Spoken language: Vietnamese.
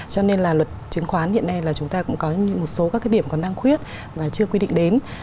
cho nên là luật chứng khoán hiện nay là chúng ta cũng có một số các cái điểm còn đang khuyết và chưa quy định đến